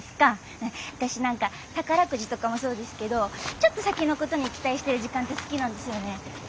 私何か宝くじとかもそうですけどちょっと先のことに期待してる時間って好きなんですよね。